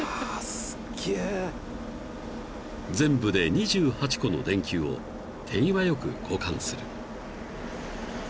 ［全部で２８個の電球を手際よく交換する］